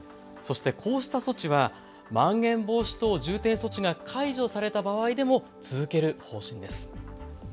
そしてこうした措置はまん延防止等重点措置が解除された場合でも続ける方針です。